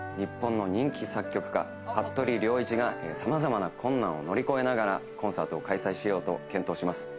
日本の人気作曲家、服部良一がさまざまな困難を乗り越えながら、コンサートを開催しようと健闘します。